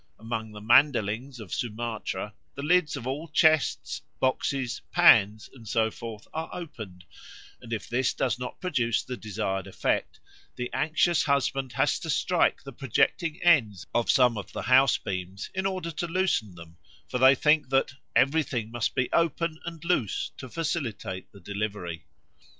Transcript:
Among the Mandelings of Sumatra the lids of all chests, boxes, pans, and so forth are opened; and if this does not produce the desired effect, the anxious husband has to strike the projecting ends of some of the house beams in order to loosen them; for they think that "everything must be open and loose to facilitate the delivery."